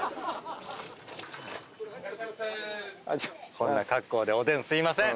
こんな格好でおでんすいません。